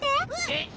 えっ？